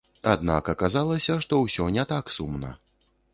Аднак аказалася, што ўсё не так сумна.